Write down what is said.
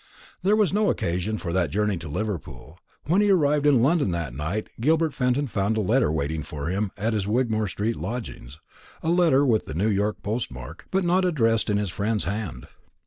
There was no occasion for that journey to Liverpool. When he arrived in London that night, Gilbert Fenton found a letter waiting for him at his Wigmore street lodgings a letter with the New York post mark, but not addressed in his friend's hand.